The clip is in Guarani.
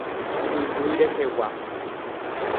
Yvy rehegua.